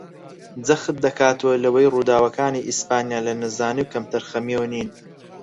جەخت دەکاتەوە لەوەی ڕووداوەکانی ئیسپانیا لە نەزانی و کەمتەرخەمییەوە نین